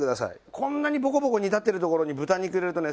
こんなにボコボコ煮立ってるところに豚肉入れるとね